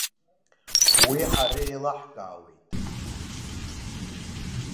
Уи ҳара еилаҳкаауеит.